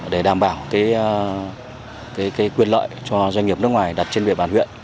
để đảm bảo quyền lợi cho doanh nghiệp nước ngoài đặt trên địa bàn huyện